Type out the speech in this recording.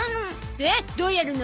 でどうやるの？